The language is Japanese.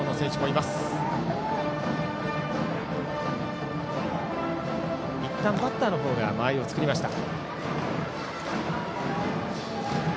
いったんバッターのほうが間合いを作りました。